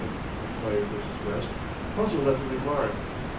enquired Mrs. West, puzzled at the remark.